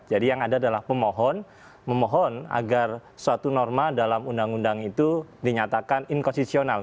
jadi yang ada adalah pemohon memohon agar suatu norma dalam undang undang itu dinyatakan inkosisional